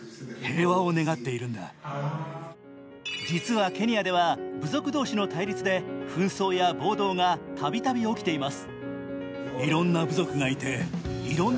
実はケニアでは部族同士の対立で紛争や暴動がたびたび起きています。